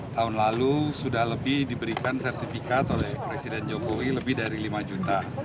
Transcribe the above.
tahun lalu sudah lebih diberikan sertifikat oleh presiden jokowi lebih dari lima juta